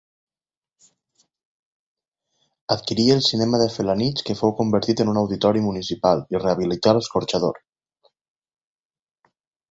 Adquirí el cinema de Felanitx que fou convertit en un auditori municipal i rehabilità l'escorxador.